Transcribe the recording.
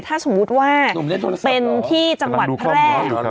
ถ้าสมมุติว่าเป็นที่จังหวัดแพร่